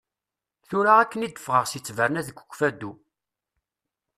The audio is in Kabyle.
Tura akken d-fɣaɣ seg ttberna deg Ukfadu.